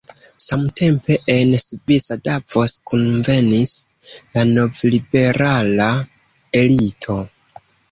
Samtempe en svisa Davos kunvenis la novliberala elito.